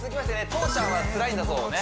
父ちゃんはつらいんだぞをね